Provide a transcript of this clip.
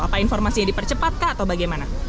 apa informasinya dipercepat kah atau bagaimana